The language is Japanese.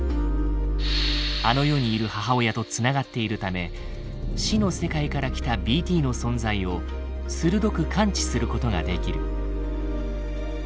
あの世にいる母親と繋がっているため死の世界から来たＢＴの存在を鋭く感知することができる。